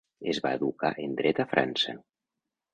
Es va educar en Dret a França.